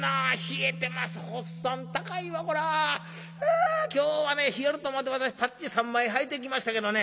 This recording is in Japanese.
あ今日はね冷えると思って私パッチ３枚はいてきましたけどね